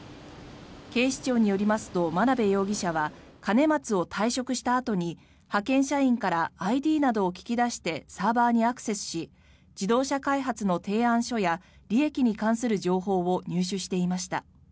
警視庁によりますと眞鍋容疑者は兼松を退職したあとに派遣社員からＩＤなどを聞き出してサーバーにアクセスし自動車開発の提案書や利益に関する情報を入手していました。